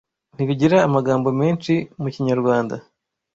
ntibigira amagambo menshi mu Kinyarwanda